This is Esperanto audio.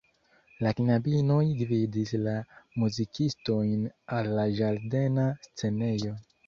La knabinoj gvidis la muzikistojn al la ĝardena scenejo.